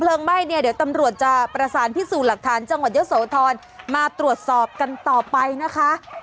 ไหม้เนี่ยเดี๋ยวตำรวจจะประสานพิสูจน์หลักฐานจังหวัดเยอะโสธรมาตรวจสอบกันต่อไปนะคะ